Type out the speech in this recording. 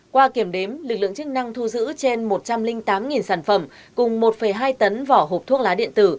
qua kiểm đếm lực lượng chức năng thu giữ trên một trăm linh tám sản phẩm cùng một hai tấn vỏ hộp thuốc lá điện tử